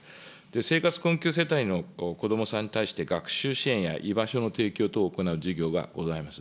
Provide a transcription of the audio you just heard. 生活困窮世帯のこどもさんに対して、学習支援や居場所の提供等を行う事業がございます。